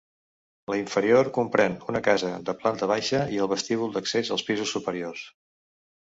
La inferior comprèn una casa de planta baixa i el vestíbul d'accés als pisos superiors.